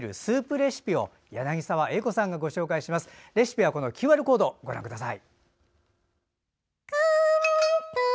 レシピはＱＲコードご覧ください。